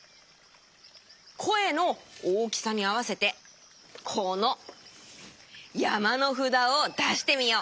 こえの大きさにあわせてこのやまのふだをだしてみよう。